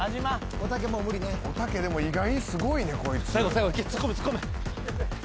おたけでも意外にすごいねこいつ。